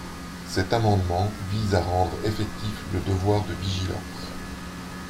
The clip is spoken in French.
Cet amendement vise à rendre effectif le devoir de vigilance.